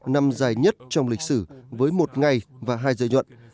năm dài nhất trong lịch sử với một ngày và hai giây nhuận